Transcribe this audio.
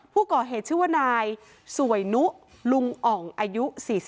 ผู้ก่อเหตุชื่อว่านายสวยนุลุงอ่องอายุ๔๒